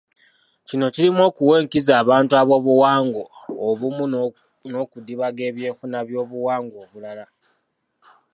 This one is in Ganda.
Kino kirimu okuwa enkizo abantu ab'obuwangwa obumu n'okudibaga eby'enfuna by'obuwangwa obulala